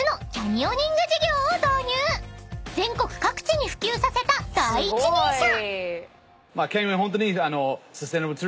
［全国各地に普及させた第一人者］